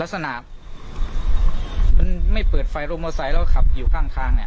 ลัดสนามมันไม่เปิดไฟลงโมไซแล้วขับอยู่ข้างทางเนี่ย